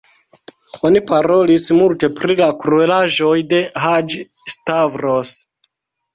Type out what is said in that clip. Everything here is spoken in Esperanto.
Oni parolis multe pri la kruelaĵoj de Haĝi-Stavros.